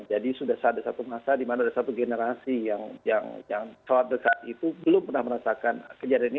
jadi sudah ada satu masa dimana ada satu generasi yang selalu berada di situ belum pernah merasakan kejadian ini